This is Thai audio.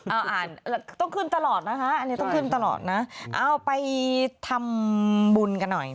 อ่านกูต้องขึ้นตลอดนะไปทำบุญกันหน่อย